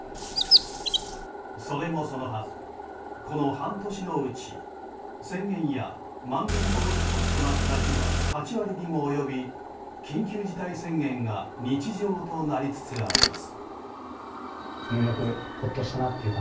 それもそのはず、この半年のうち宣言やまん延防止措置となった日は８割にも及び緊急事態宣言が日常となりつつあります。